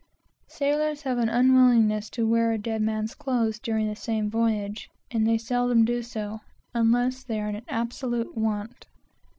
Sailors have an unwillingness to wear a dead man's clothes during the same voyage, and they seldom do so unless they are in absolute want.